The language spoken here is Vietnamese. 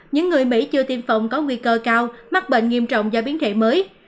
những người mỹ chưa tiêm phòng có nguy cơ cao mắc bệnh nghiêm trọng do biến thể mới